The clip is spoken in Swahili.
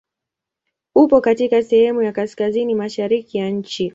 Upo katika sehemu ya kaskazini mashariki ya nchi.